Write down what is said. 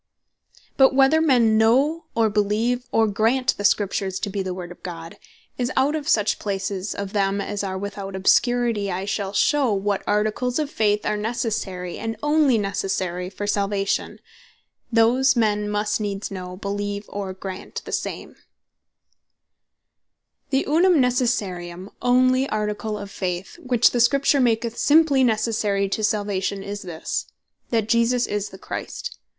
But whether men Know, or Beleeve, or Grant the Scriptures to be the Word of God; if out of such places of them, as are without obscurity, I shall shew what Articles of Faith are necessary, and onely necessary for Salvation, those men must needs Know, Beleeve, or Grant the same. The Onely Necessary Article Of Christian Faith, The (Unum Necessarium) Onely Article of Faith, which the Scripture maketh simply Necessary to Salvation, is this, that JESUS IS THE CHRIST.